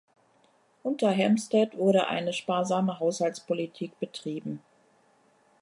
Unter Hempstead wurde eine sparsame Haushaltspolitik betrieben.